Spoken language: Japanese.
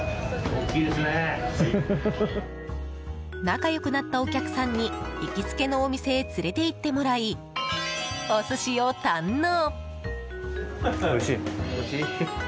仲良くなったお客さんに行きつけのお店へ連れて行ってもらいお寿司を堪能。